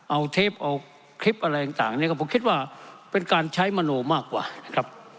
เอาเทปเอาคลิปอะไรต่างเนี่ยก็ผมคิดว่าเป็นการใช้มโนมากกว่านะครับ